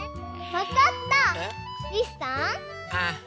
わかった！